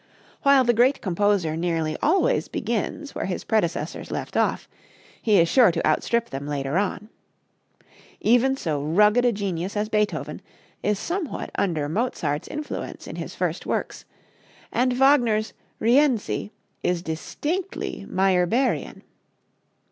While the great composer nearly always begins where his predecessors left off, he is sure to outstrip them later on. Even so rugged a genius as Beethoven is somewhat under Mozart's influence in his first works, and Wagner's "Rienzi" is distinctly Meyerbeerian.